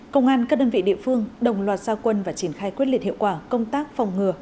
công an các đơn vị địa phương đồng loạt gia quân và triển khai quyết liệt hiệu quả công tác phòng ngừa